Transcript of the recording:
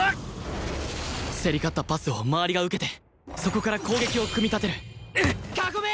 競り勝ったパスを周りが受けてそこから攻撃を組み立てる！囲め！